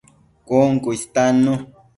Cun cu istannu